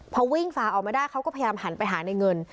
พอวิ่งฝาออกมาได้เขาก็พยายามหันไปหาในเงิน